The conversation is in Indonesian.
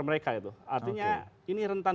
mereka itu artinya ini rentan